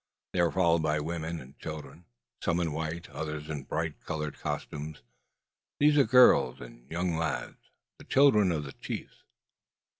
They are followed by women and children, some in white, others in bright coloured costumes. These are girls and young lads, the children of the chiefs.